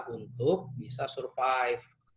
untuk bisa survive